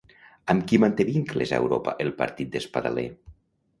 Amb qui manté vincles a Europa el partit d'Espadaler?